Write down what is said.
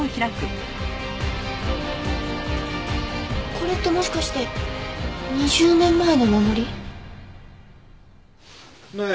これってもしかして２０年前のお守り？ねえ。